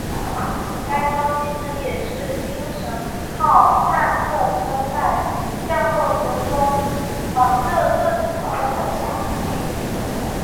该撞击坑也是精神号探测车在降落途中防热盾的落下地点。